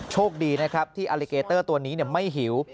โชคดีนะครับที่อลิเกเตอร์ตัวนี้ไม่หิว